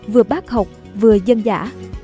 vừa bác học vừa dân giả